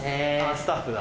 スタッフだ。